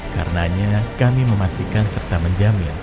karenanya kami memastikan serta menjamin